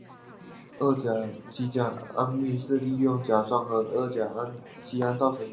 二甲基甲醯胺是利用甲酸和二甲基胺制造的。